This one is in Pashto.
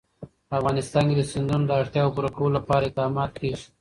په افغانستان کې د سیندونه د اړتیاوو پوره کولو لپاره اقدامات کېږي.